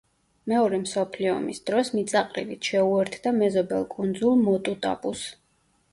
მეორე მსოფლიო ომის დროს მიწაყრილით შეუერთდა მეზობელ კუნძულ მოტუტაპუს.